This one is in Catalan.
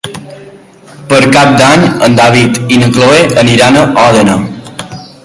Per Cap d'Any en David i na Cloè iran a Òdena.